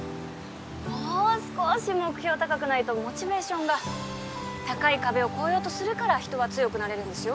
もう少し目標高くないとモチベーションが高い壁を越えようとするから人は強くなれるんですよ